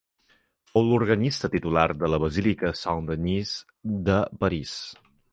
Fou organista titular de la basílica de Saint-Denis, de París.